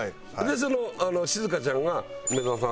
その静香ちゃんが「梅沢さん